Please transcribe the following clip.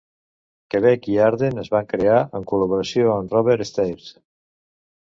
"Quebec" i "Ardent" es van crear en col·laboració amb Robert Stares.